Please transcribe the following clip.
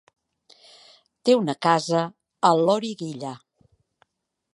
Té una casa a Loriguilla.